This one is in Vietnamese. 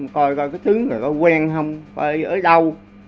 coi coi cái thứ người đó quen không coi ở đâu